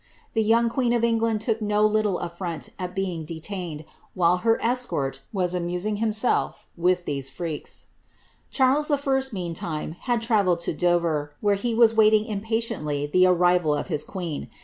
* The young queen of England took no little affront at being detained, while her escort was amusing himself with these freaks. Charles I., meantime, had travelled to Dover, where he was waiting impatiently the arrival of his queen.